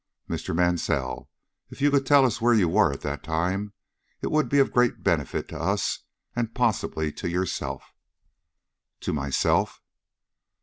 "Mr. Mansell, if you could tell us where you were at that time, it would be of great benefit to us, and possibly to yourself." "To myself?"